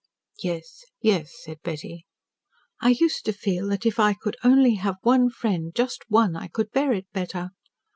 "Yes, yes," said Betty. "I used to feel that if I could only have one friend, just one, I could bear it better.